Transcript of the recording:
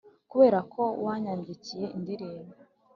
kuberako wanyandikiye indirimbo.